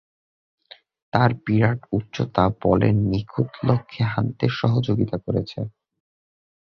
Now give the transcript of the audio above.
তার বিরাট উচ্চতা বলের নিখুঁত লক্ষ্যে হানতে সহযোগিতা করেছে।